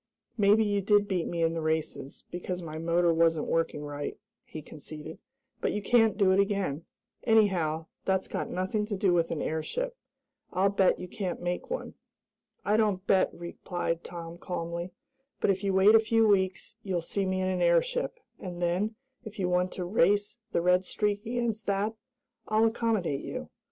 "Maybe you did beat me in the races, because my motor wasn't working right," he conceded, "but you can't do it again. Anyhow, that's got nothing to do with an airship. I'll bet you can't make one!" "I don't bet," replied Tom calmly, "but if you wait a few weeks you'll see me in an airship, and then, if you want to race the Red Streak against that, I'll accommodate you.